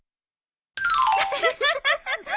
アハハハハ。